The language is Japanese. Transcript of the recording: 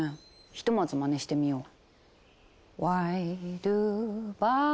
ひとまずまねしてみよう。